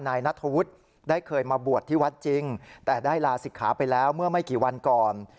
นายนัทธวุฒิได้เคยมาบวชที่วัดจริงแต่ได้ลาศิกขาไปแล้วเมื่อไม่กี่วันก่อน